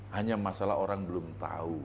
hanya masalah orang belum tahu